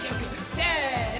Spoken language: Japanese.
せの！